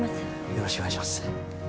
よろしくお願いします。